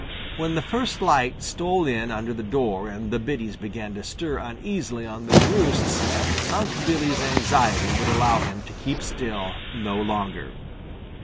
When the first light stole in under the door and the biddies began to stir uneasily on their roosts Unc' Billy's anxiety would allow him to keep still no longer.